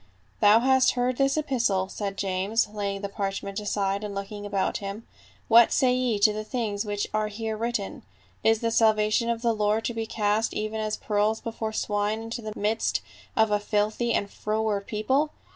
" Thou hast heard this epistle," said James, laying the parchment aside and looking about him, " what say ye to the things which are here written ? Is the salvation of the Lord to be cast even as pearls before swine into the midst of a filthy and froward people